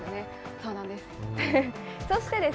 そうなんです。